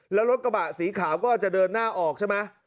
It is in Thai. แล้วรถกระบะสีขาวก็จะเดินหน้าออกใช่ไหม